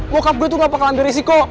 wokap gue itu tidak akan berisiko